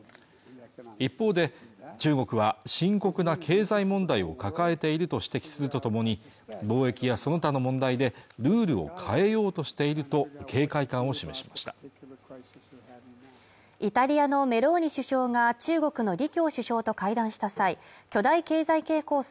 一方で中国は深刻な経済問題を抱えていると指摘するとともに貿易やその他の問題でルールを変えようとしていると警戒感を示しましたイタリアのメローニ首相が中国の李強首相と会談した際巨大経済圏構想